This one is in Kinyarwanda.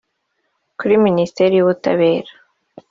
Kuri Ministeri y’ubutabera